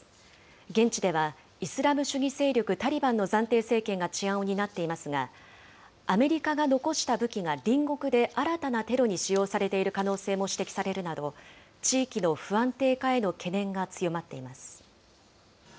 現地では、イスラム主義勢力タリバンの暫定政権が治安を担っていますが、アメリカが残した武器が隣国で新たなテロに使用されている可能性も指摘されるなど、地域の不安定化への懸念が強まっています。